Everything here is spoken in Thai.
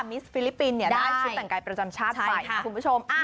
ฟิลิปปินส์ได้ชุดแต่งกายประจำชาติไปนะคุณผู้ชม